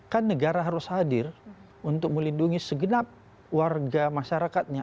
kan negara harus hadir untuk melindungi segenap warga masyarakatnya